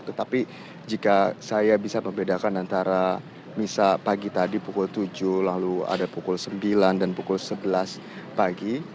tetapi jika saya bisa membedakan antara misa pagi tadi pukul tujuh lalu ada pukul sembilan dan pukul sebelas pagi